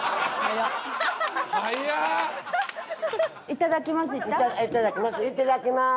「いただきます」